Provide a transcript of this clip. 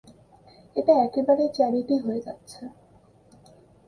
এটা একেবারে চ্যারিটি হয়ে যাচ্ছে।